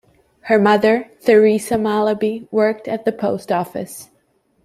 Her mother, Theresa Malaby, worked at the post office.